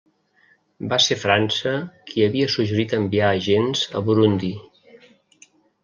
Va ser França qui havia suggerit enviar agents a Burundi.